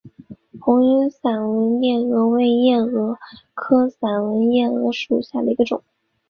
红晕散纹夜蛾为夜蛾科散纹夜蛾属下的一个种。